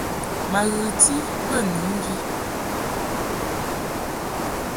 Ma ghɨti bə nu mvi.